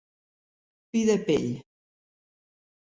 Fi de pell.